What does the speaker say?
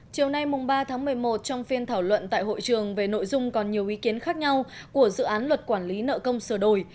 chiều nay ba tháng một mươi một trong phiên thảo luận tại hội trường về nội dung còn nhiều ý kiến khác nhau của dự án luật quản lý nợ công sửa đổi